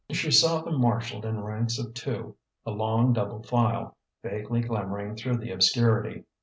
She saw them marshalled in ranks of two a long double file, vaguely glimmering through the obscurity.